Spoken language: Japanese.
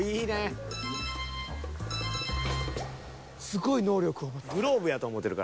［すごい能力を持ってる］